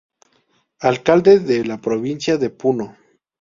Alcalde de la Provincia de Puno.